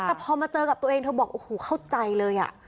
แต่พอมาเจอกับตัวเองเธอบอกโอ้โหเข้าใจเลยอ่ะ